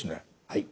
はい。